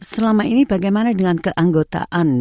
selama ini bagaimana dengan keanggotaan